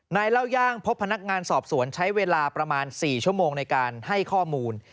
เล่าย่างพบพนักงานสอบสวนใช้เวลาประมาณ๔ชั่วโมงในการให้ข้อมูล